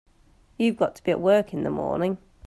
You've got to be at work in the morning.